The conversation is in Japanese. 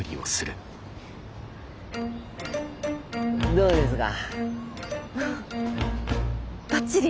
どうですか？